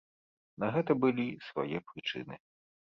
На гэта былі свае прычыны.